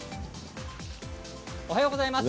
おはようございます。